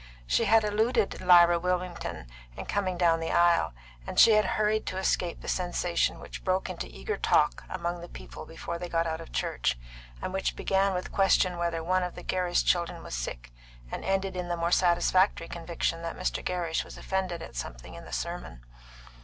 She had eluded Lyra Wilmington in coming down the aisle, and she had hurried to escape the sensation which broke into eager talk among the people before they got out of church, and which began with question whether one of the Gerrish children was sick, and ended in the more satisfactory conviction that Mr. Gerrish was offended at something in the sermon.